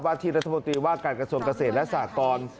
ที่รัฐมนตรีว่าการกระทรวงเกษตรและสากร